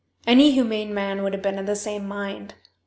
Any humane man would have been of the same mind.